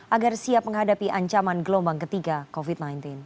agar siap menghadapi ancaman gelombang ketiga covid sembilan belas